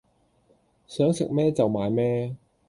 想食咩就買咩